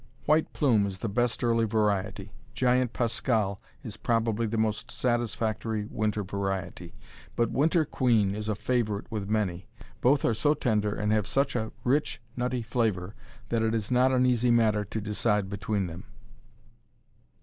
White Plume is the best early variety. Giant Pascal is probably the most satisfactory winter variety, but Winter Queen is a favorite with many. Both are so tender and have such a rich, nutty flavor that it is not an easy matter to decide between them.